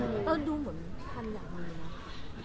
ดูเหมือนทันอย่างมันเนี่ย